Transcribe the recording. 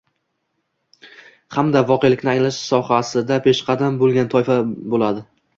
hamda voqelikni anglash sohasida peshqadam bo‘lgan toifa bo‘ladi.